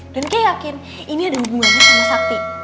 dan kay yakin ini ada hubungannya sama sakti